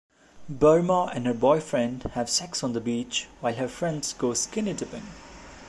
Burma and her boyfriend have sex on the beach while her friends go skinny-dipping.